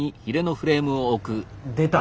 出た！